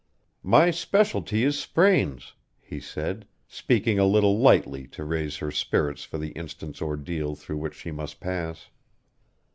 "My specialty is sprains," he said, speaking a little lightly to raise her spirits for the instant's ordeal through which she must pass.